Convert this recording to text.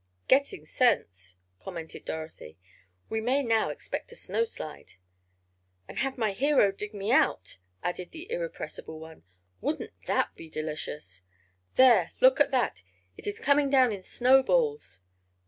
"Getting sense," commented Dorothy. "We may now expect a snowslide." "And have my hero dig me out," added the irrepressible one. "Wouldn't that be delicious! There! Look at that! It is coming down in snowballs!"